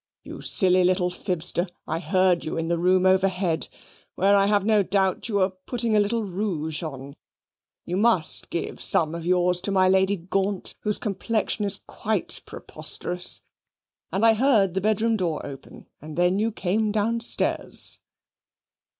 "You silly little fibster! I heard you in the room overhead, where I have no doubt you were putting a little rouge on you must give some of yours to my Lady Gaunt, whose complexion is quite preposterous and I heard the bedroom door open, and then you came downstairs."